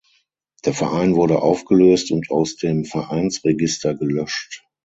Der Verein wurde aufgelöst und aus dem Vereinsregister gelöscht.